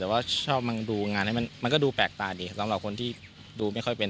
แต่ว่าชอบมันดูงานให้มันก็ดูแปลกตาดีสำหรับคนที่ดูไม่ค่อยเป็น